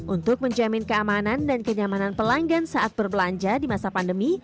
untuk menjamin keamanan dan kenyamanan pelanggan saat berbelanja di masa pandemi